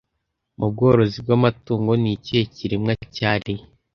Mu bworozi bw'amatungo ni ikihe kiremwa cyari